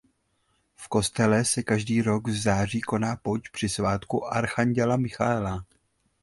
V kostele se každý rok v září koná pouť při svátku archanděla Michaela.